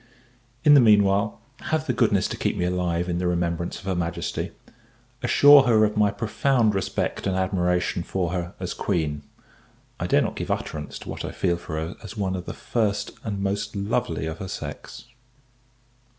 In the meanwhile, have the goodness to keep me alive in the remembrance of her Majesty: assure her of my profound respect and admiration for her as Queen I dare not give utterance to what I feel for her as one of the first and most lovely of her sex.